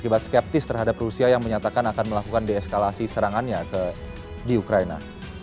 akibat skeptis terhadap rusia yang menyatakan akan melakukan deeskalasi serangannya di ukraina